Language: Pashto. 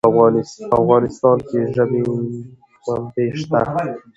په افغانستان کې د ژبې منابع شته.